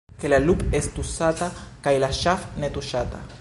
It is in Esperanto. Ke la lup' estu sata, kaj la ŝaf' ne tuŝata.